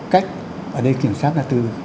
cách ở đây kiểm tra là từ